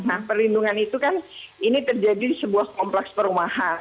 nah perlindungan itu kan ini terjadi di sebuah kompleks perumahan